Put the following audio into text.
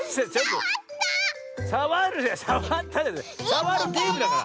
さわるゲームだから。